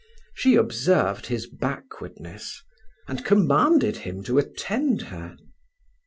She observed his backwardness, and commanded him to attend her.